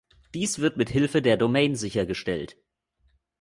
Dies wird mit Hilfe der Domain sichergestellt.